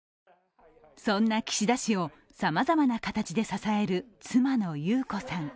そんな岸田氏をさまざまな形で支える妻の裕子さん。